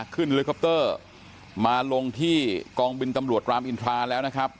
เฮลิคอปเตอร์มาลงที่กองบินตำรวจรามอินทราแล้วนะครับ